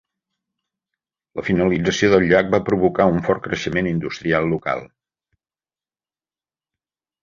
La finalització del llac va provocar un fort creixement industrial local.